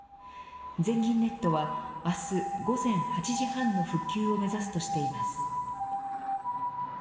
全銀ネットは、あす午前８時半の復旧を目指すとしています。